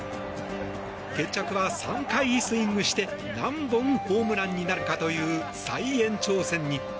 決着は３回スイングして何本ホームランになるかという再延長戦に。